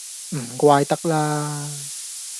唔怪得啦